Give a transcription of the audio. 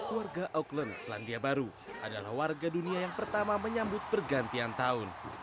warga auckland selandia baru adalah warga dunia yang pertama menyambut pergantian tahun